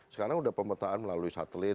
sekarang sudah pemetaan melalui satelit